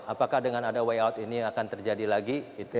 apakah dengan ada way out ini akan terjadi lagi